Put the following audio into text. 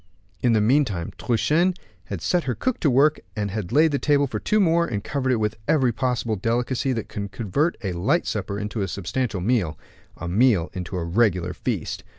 In the meantime Truchen had set her cook to work, had laid the table for two more, and covered it with every possible delicacy that could convert a light supper into a substantial meal, a meal into a regular feast.